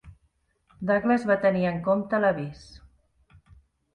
Douglas va tenir en compte l'avís.